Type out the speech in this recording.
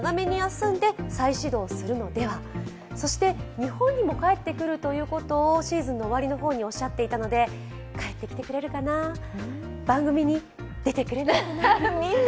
日本にも帰ってくるということをシーズンの終わりの方におっしゃっていたので、帰ってきてくれるかな、番組に出てくれるかな。